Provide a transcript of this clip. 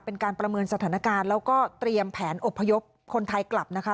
เป็นการประเมินสถานการณ์แล้วก็เตรียมแผนอบพยพคนไทยกลับนะคะ